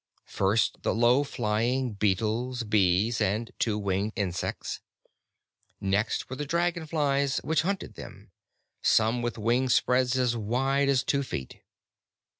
First, the low flying beetles, bees and two winged insects. Next were the dragonflies which hunted them, some with wingspreads as wide as two feet.